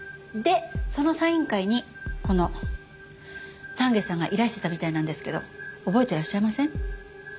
でそのサイン会にこの丹下さんがいらしてたみたいなんですけど覚えていらっしゃいません？